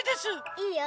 いいよ。